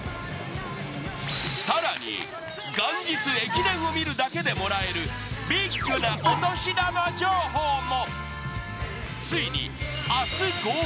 更に元日駅伝を見るだけでもらえるビッグなお年玉情報も。